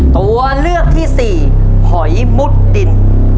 ตัวเลือกที่สี่หอยมุดดิน